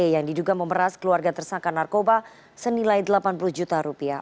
yang diduga memeras keluarga tersangka narkoba senilai rp delapan puluh juta rupiah